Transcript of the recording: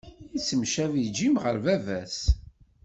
Yettemcabi Jim ɣer baba-s.